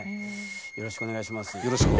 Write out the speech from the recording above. よろしくお願いします。